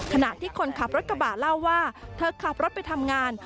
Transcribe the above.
ขณะที่คนขับรถกระบะเล่าว่าเธอขับรถไปทำงาน